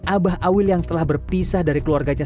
abah awil yang telah berpisah dari keluarganya